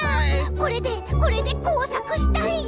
これでこれでこうさくしたいよ！